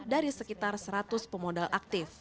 dari sekitar seratus pemodal aktif